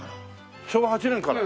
昭和８年から。